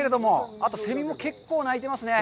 あとセミも結構鳴いていますね。